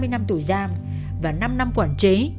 hai mươi năm tù giam và năm năm quản chế